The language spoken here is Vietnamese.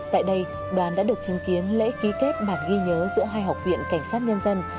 tại đây đoàn đã được chứng kiến lễ ký kết bản ghi nhớ giữa hai học viện cảnh sát nhân dân